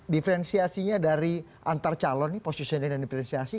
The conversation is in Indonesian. diferensiasinya dari antar calon ini posisional dan diferensiasi